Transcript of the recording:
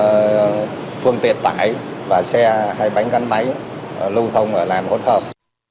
vì phương tiện tải và xe hay bánh cánh máy lưu thông ở làn hỗn hợp